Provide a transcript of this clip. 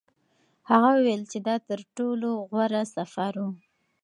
هغه وویل چې دا تر ټولو غوره سفر و.